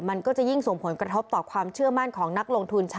มันก็จะยิ่งส่งผลกระทบต่อความเชื่อมั่นของนักลงทุน